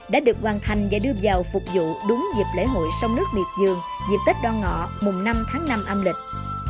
đã được hoàn thành và đưa vào phục vụ đúng dịp lễ hội sông nước miệt dương dịp tết đoan ngọ mùng năm tháng năm âm lịch